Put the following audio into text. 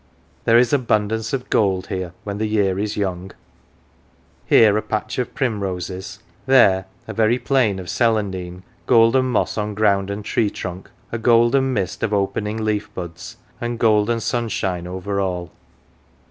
There is abundance of gold here when the year is young here a patch of primroses, there a very plain of celandine, golden moss on ground and tree trunk, a golden mist of opening leaf buds, and golden sunshine over all.